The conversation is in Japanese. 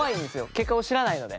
結果を知らないので。